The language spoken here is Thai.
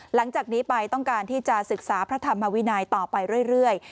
หลังจากนี้ไปต้องการที่จะศึกษาพระธรรมวินัยต่อไปเรื่อย